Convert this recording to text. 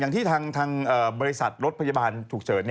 อย่างที่ทางบริษัทรถพยาบาลถูกเซิร์ช